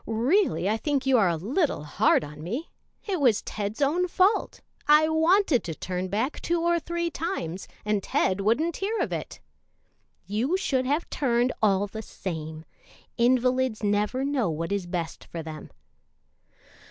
"Really I think you are a little hard on me. It was Ted's own fault. I wanted to turn back two or three times, and Ted wouldn't hear of it." "You should have turned, all the same. Invalids never know what is best for them."